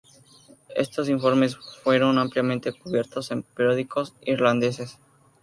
Estos informes fueron ampliamente cubiertos en los periódicos irlandeses.